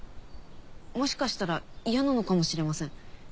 もしかしたら嫌なのかもしれません。